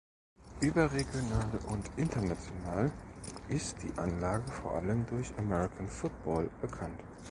Überregional und international ist die Anlage vor allem durch American Football bekannt.